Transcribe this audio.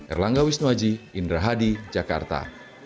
erlangga wisnuaji indra hadi jakarta